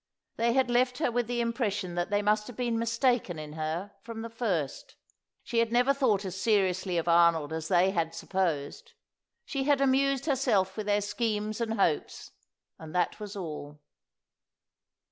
They had left her with the impression that they must have been mistaken in her from the first. She had never thought as seriously of Arnold as they had supposed; she had amused herself with their schemes and hopes, and that was all.